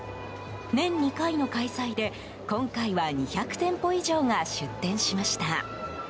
年２回の開催で、今回は２００店舗以上が出店しました。